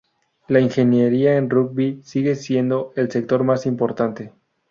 La Ingeniería en Rugby sigue siendo el sector más importante.